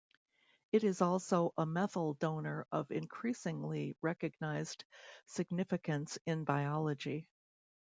It is also a methyl donor of increasingly recognised significance in biology.